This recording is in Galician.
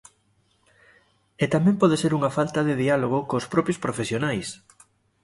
E tamén pode ser unha falta de diálogo cos propios profesionais.